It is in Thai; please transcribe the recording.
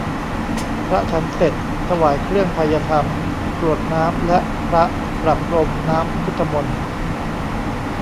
พระฉันเสร็จ ถวายเครื่องไทยธรรม กรวดน้ำและพระประพรมน้ำพุทธมนต์